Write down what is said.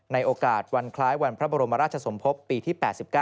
ในโอกาสวันคล้ายวันพระบรมราชสมภพปีที่๘๙